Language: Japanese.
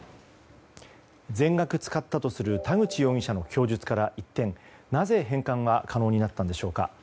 全額使ったとする田口容疑者の供述から一転なぜ返金は可能になったんでしょうか。